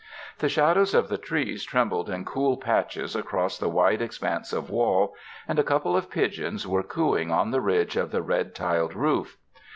The shadows of the trees trembled in cool patches across the white expanse of wall and a couple of pigeons were cooing on the ridge of the red tiled roof.